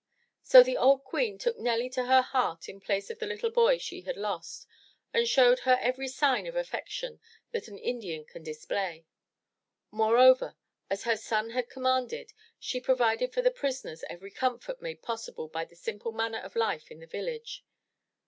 So the Old Queen took Nelly to her heart in place of the little boy she had lost, and showed her every sign of affection that an Indian can display. Moreover, as her son had commanded, she provided for the prisoners every comfort made possible by the simple manner of life in the village.